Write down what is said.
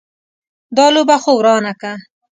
دا لوبه خو ورانه که.